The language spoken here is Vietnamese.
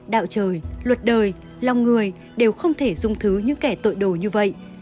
đạo trời luật đời lòng người đều không thể dung thứ những kẻ tội đồ như vậy